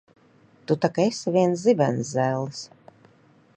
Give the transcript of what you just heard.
Tu tak esi viens zibenzellis!